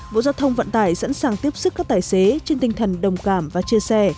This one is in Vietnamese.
bộ giao thông vận tải sẵn sàng tiếp sức các tài xế trên tinh thần đồng cảm và chia sẻ